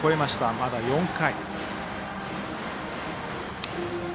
まだ４回。